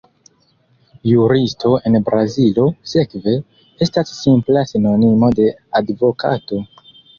Juristo en Brazilo, sekve, estas simpla sinonimo de advokato.